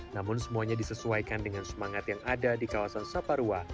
namun semuanya disesuaikan dengan semangat yang ada di kawasan saparua